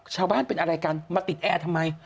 ชาวบ้านเป็นอะไรกันมาติดแอร์ทำไม